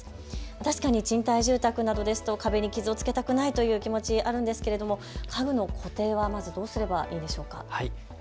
確かに賃貸住宅などですと壁に傷をつけたくないという気持ち、あるんですけれども家具の固定はまずどうすればいいでしょうか。